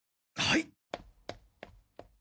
はい！